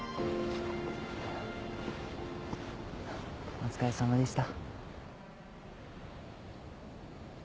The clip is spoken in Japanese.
お疲れさまでした。